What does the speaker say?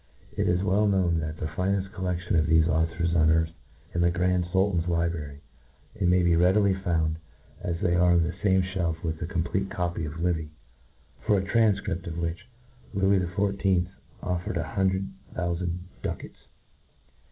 It is well known that the fineft collec tion of thefe' authors on earth ftands in the Grand Sultan's library J and may be readily founcj, as iliey arq on the fame iOielf with the complete copy of Livy^ for a tranfcript of which Lewis XIV. offered an hundred thoufand ducats.